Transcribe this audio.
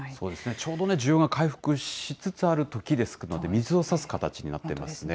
ちょうど需要が回復しつつあるときですので、水をさす形になっていますね。